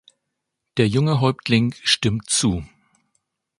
Der junge Häuptling stimmt zu.